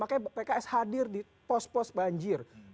makanya pks hadir di pos pos banjir